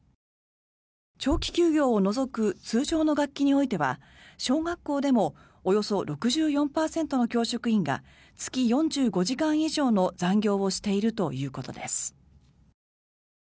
長期休業を除く通常の学期においては小学校でもおよそ６４％の教職員が月４５時間以上の残業をしているということです。